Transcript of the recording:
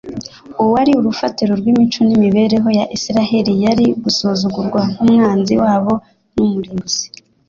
Uwari urufatiro rw'imico n'imibereho ya Isiraheli yari gusuzugurwa nk'umwanzi wabo n'umurimbuzi